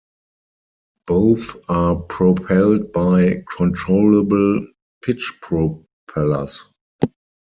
Both are propelled by controllable-pitch propellers.